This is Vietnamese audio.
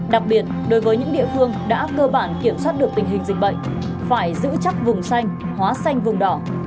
đặc biệt đối với những địa phương đã cơ bản kiểm soát được tình hình dịch bệnh phải giữ chắc vùng xanh hóa xanh vùng đỏ